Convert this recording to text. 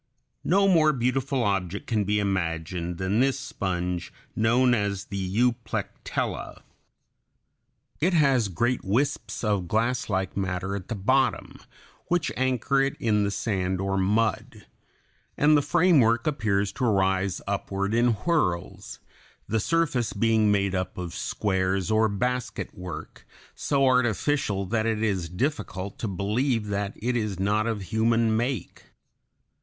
] No more beautiful object can be imagined than this sponge, known as the Euplectella. It has great wisps of glasslike matter at the bottom, which anchor it in the sand or mud, and the framework appears to rise upward in whirls, the surface being made up of squares or basket work, so artificial that it is difficult to believe that it is not of human make.